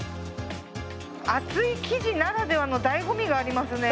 厚い生地ならではのだいご味がありますね。